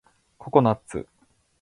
ココナッツ